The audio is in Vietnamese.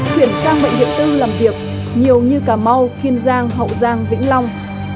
chuyển sang bệnh viện tư làm việc nhiều như cà mau kiên giang hậu giang vĩnh long